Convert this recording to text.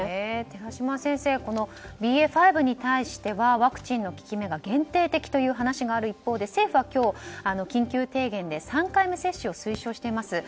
寺嶋先生、ＢＡ．５に対してはワクチンの効き目が限定的という話がある一方で政府は今日、緊急提言で３回目接種を推奨しています。